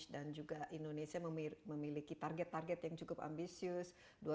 dan juga indonesia memiliki target target yang cukup ambisius